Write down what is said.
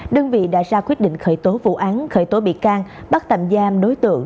đơn vị đã ra quyết định khởi tố vụ án khởi tố bị can bắt tạm giam đối tượng